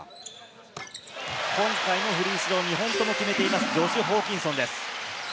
今回のフリースロー、２本とも決めています、ジョシュ・ホーキンソンです。